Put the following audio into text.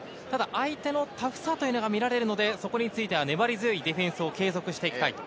相手のタフさというのが見られるので、そこについては粘り強いディフェンスを継続していきたいと。